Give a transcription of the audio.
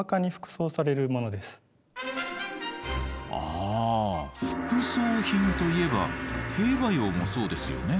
あ副葬品といえば兵馬俑もそうですよね。